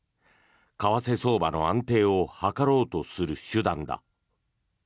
為替相場の安定を図ろうとする手段だ。